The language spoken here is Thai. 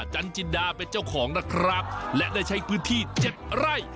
จันจินดาเป็นเจ้าของนะครับและได้ใช้พื้นที่๗ไร่